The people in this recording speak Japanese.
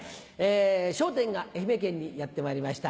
『笑点』が愛媛県にやってまいりました。